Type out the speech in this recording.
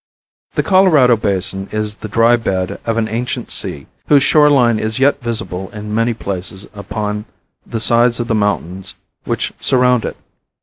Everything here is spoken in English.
The Colorado Basin is the dry bed of an ancient sea whose shore line is yet visible in many places upon the sides of the mountains which surround it.